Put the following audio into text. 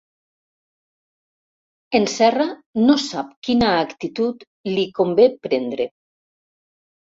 En Serra no sap quina actitud li convé prendre.